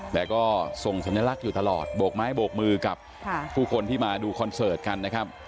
แต่ก็ส่งสัญลักษณ์อยู่ตลอดโบกไม้โบกมือกับผู้คนที่มาดูคอนเสิร์ตกันนะครับ